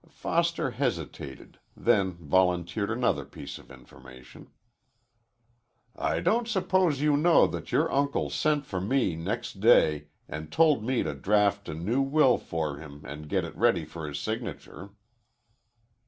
Foster hesitated, then volunteered another piece of information. "I don't suppose you know that your uncle sent for me next day and told me to draft a new will for him and get it ready for his signature."